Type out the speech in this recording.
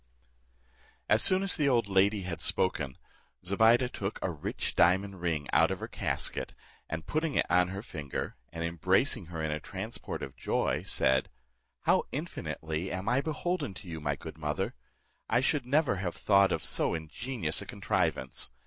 As soon as the old lady had spoken, Zobeide took a rich diamond ring out of her casket, and putting it on her finger, and embracing her in a transport of joy, said, "How infinitely am I beholden to you, my good mother! I should never have thought of so ingenious a contrivance.